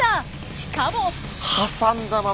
しかも。